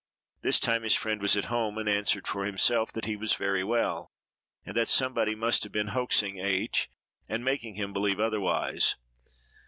This time his friend was at home, and answered for himself, that he was very well, and that somebody must have been hoaxing H——, and making him believe otherwise.